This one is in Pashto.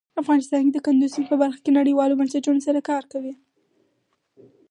افغانستان د کندز سیند په برخه کې نړیوالو بنسټونو سره کار کوي.